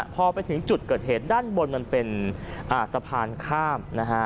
พอไปถึงจุดเกิดเหตุด้านบนมันเป็นสะพานข้ามนะฮะ